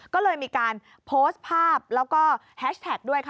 ก็เลยมีการโพสต์ภาพแล้วก็แฮชแท็กด้วยค่ะ